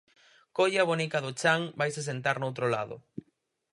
Colle a boneca do chan, vaise sentar noutro lado.